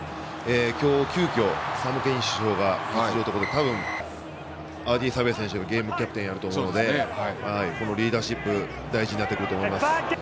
今日、急きょサム・ケイン主将が出れないということでサベア選手がゲームキャプテンをすると思うのでリーダーシップが大事になってくると思います。